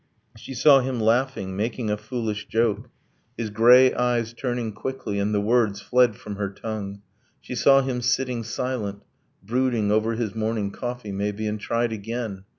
She saw him laughing, making a foolish joke, His grey eyes turning quickly; and the words Fled from her tongue ... She saw him sitting silent, Brooding over his morning coffee, maybe, And tried again